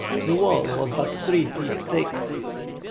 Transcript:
The wall was but three feet thick.